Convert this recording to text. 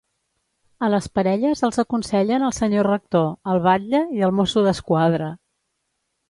A les parelles els aconsellen el Senyor Rector, el Batlle i el Mosso d'Esquadra.